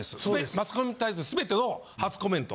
マスコミに対するすべての初コメント。